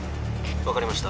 分かりました